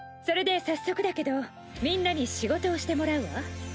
それで早速だけどみんなに仕事をしてもらうわ。